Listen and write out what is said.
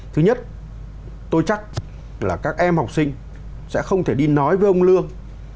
thứ nhất tôi chắc là các em học sinh sẽ không thể đi nói với ông lương